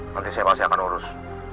nanti saya pasti akan urus